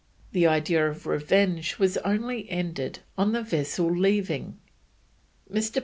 The idea of revenge was only ended on the vessel leaving. Mr.